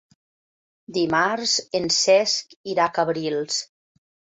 Dimarts en Cesc irà a Cabrils.